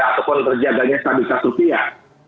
ataupun terjadinya stabilitas rupiah